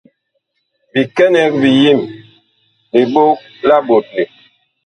Bikɛnɛg biyem, liɓog la ɓotle.